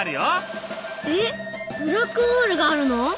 えっブラックホールがあるの？